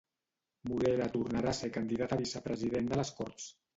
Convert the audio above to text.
Morera tornarà a ser candidat a vicepresident de les Corts.